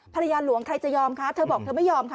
ภรรยาหลวงใครจะยอมคะเธอบอกเธอไม่ยอมค่ะ